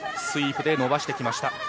スイープで伸ばしてきました。